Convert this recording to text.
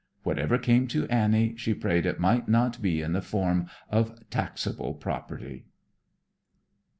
Whatever came to Annie, she prayed it might not be in the form of taxable property.